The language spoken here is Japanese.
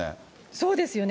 そうですよね。